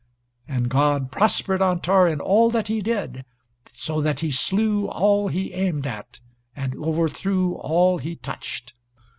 And God prospered Antar in all that he did, so that he slew all he aimed at, and overthrew all he touched.